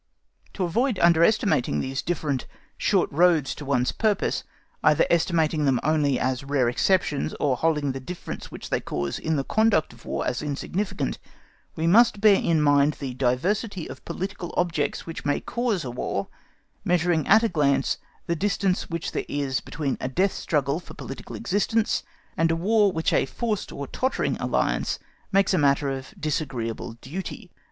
To avoid under estimating these different short roads to one's purpose, either estimating them only as rare exceptions, or holding the difference which they cause in the conduct of War as insignificant, we must bear in mind the diversity of political objects which may cause a War—measure at a glance the distance which there is between a death struggle for political existence and a War which a forced or tottering alliance makes a matter of disagreeable duty.